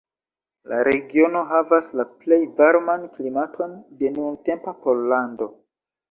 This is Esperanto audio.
La regiono havas la plej varman klimaton de nuntempa Pollando.